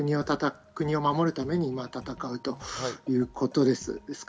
国を守るために戦うということです。